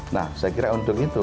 nah saya kira untuk itu